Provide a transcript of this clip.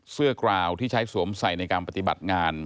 กราวที่ใช้สวมใส่ในการปฏิบัติงาน